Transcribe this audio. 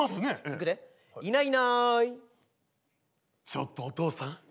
ちょっとお父さん？